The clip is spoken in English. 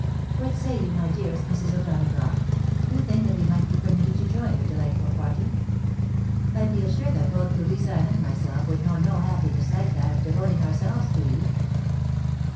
" What say you, my dearest Mrs. O'Do nagough ? Do you think that we might be permitted to join your deUghtful party ? I feel sure that both Louisa and myself would know no happiness like that of devoting ourselves to you."